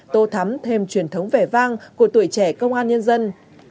tô thắm thêm truyền thống vẻ vang của tuổi trẻ công an nhân dân